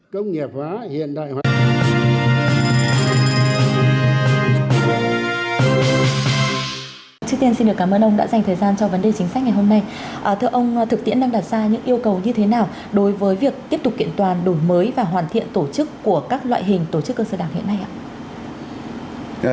trước tiên xin được cảm ơn ông đã dành thời gian cho vấn đề chính sách ngày hôm nay thưa ông thực tiễn đang đặt ra những yêu cầu như thế nào đối với việc tiếp tục kiện toàn đổi mới và hoàn thiện tổ chức của các loại hình tổ chức cơ sở đảng hiện nay ạ